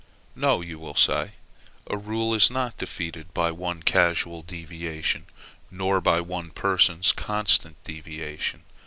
No, you will say, a rule is not defeated by one casual deviation, nor by one person's constant deviation.